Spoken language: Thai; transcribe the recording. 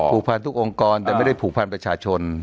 ผูกพันทุกองค์กรแต่ไม่ได้ผูกพันประชาชน